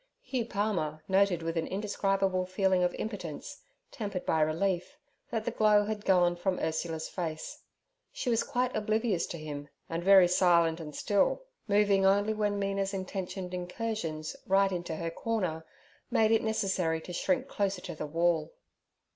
Hugh Palmer noted with an indescribable feeling of impotence, tempered by relief, that the glow had gone from Ursula's face. She was quite oblivious to him and very silent and still, moving only when Mina's intentioned incursions right into her corner made it necessary to shrink closer to the wall.